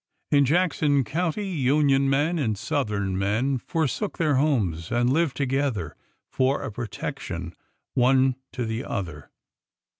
In Jackson County, Union men and Southern men forsook their homes and lived together for a protection one to the other.